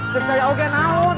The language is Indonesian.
cek saya oke nahun